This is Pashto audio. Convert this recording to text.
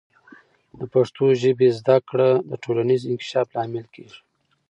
د پښتو ژبې زده کړه د ټولنیز انکشاف لامل کیږي.